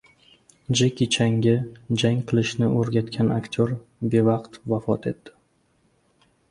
Jeki Changa jang qilishni o‘rgatgan aktyor bevaqt vafot etdi